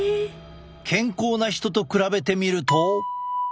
健康な人と比べてみると。